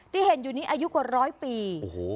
ที่เห็นอยู่นี้อายุกว่าร้อยปี